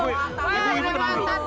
ibu ibu tenang dulu